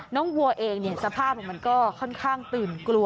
น้องวัวเองเนี่ยสภาพมันก็ค่อนข้างตื่นกลัว